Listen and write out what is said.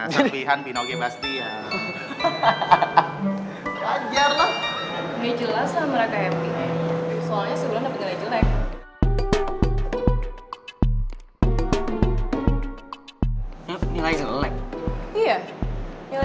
jadi gue ikutan juga